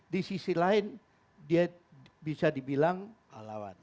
di sisi lain dia bisa dibilang pahlawan